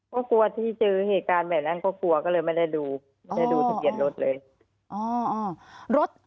ก็กลัวที่เจอเหตุการณ์แบบนั้นก็กลัวก็เลยไม่ได้ดูไม่ได้ดูทะเบียนรถเลย